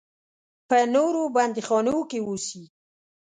په نورو بندیخانو کې اوسي.